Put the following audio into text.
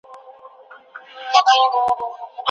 زه د نازيې په خبرو باندې نوره هم پښېمانه شوم.